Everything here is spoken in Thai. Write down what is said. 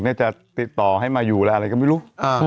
มาติดต่อให้อยู่ไม่รู้